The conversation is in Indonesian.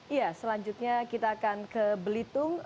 iya selanjutnya kita akan ke belitung